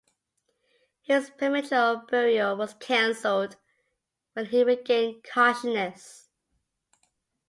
His premature burial was cancelled when he regained consciousness.